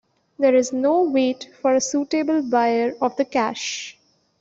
There is no wait for a suitable buyer of the cash.